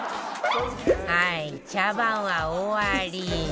はい茶番は終わり